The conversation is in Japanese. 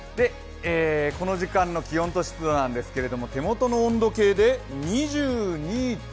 この時間の気温と湿度ですが、手元の温度計で２２．８度。